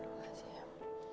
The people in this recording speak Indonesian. makasih ya mpok